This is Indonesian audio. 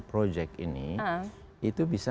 proyek ini itu bisa